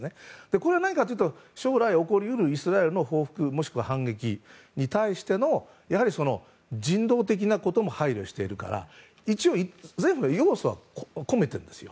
これは何かというと将来、起こり得るイスラエルの報復もしくは反撃に対しての人道的なことも配慮しているから一応、全部要素は込めているんです。